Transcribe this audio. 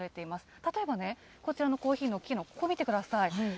例えばね、こちらのコーヒーの木のここ見てください。